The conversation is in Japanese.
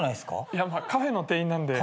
いやカフェの店員なんで。